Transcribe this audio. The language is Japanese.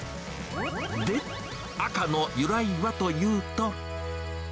で、赤の由来はというと。